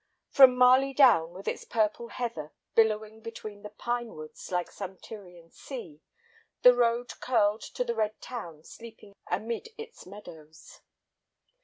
From Marley Down with its purple heather billowing between the pine woods like some Tyrian sea, the road curled to the red town sleeping amid its meadows.